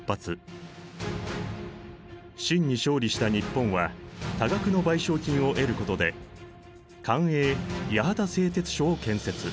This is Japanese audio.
清に勝利した日本は多額の賠償金を得ることで官営八幡製鉄所を建設。